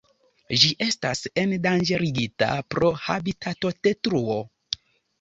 Ĝi estas endanĝerigita pro habitatodetruo.